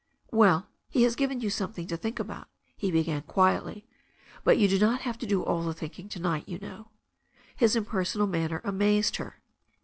"Well, he has given you something to think about," he began quietly, "but you do not have to do all the thinking to night, you know." His impersonal manner amazed her.